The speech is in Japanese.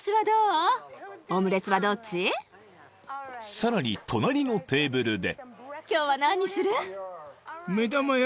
［さらに隣のテーブルで］